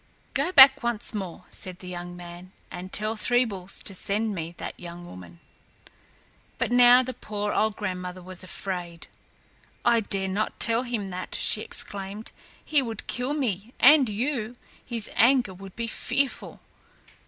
"Go back once more," said the young man, "and tell Three Bulls to send me that young woman." But now the poor old grandmother was afraid. "I dare not tell him that," she exclaimed. "He would kill me, and you. His anger would be fearful."